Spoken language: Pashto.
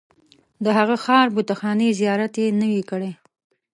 د هغه ښار بتخانې زیارت یې نه وي کړی.